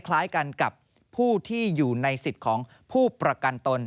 คล้ายกันกับผู้ที่อยู่ในสิทธิ์ของผู้ประกันตน